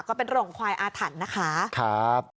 ก็เป็นโรงควายอาถรรพ์นะคะ